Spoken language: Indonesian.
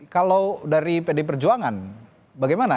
kalau dari pd perjuangan bagaimana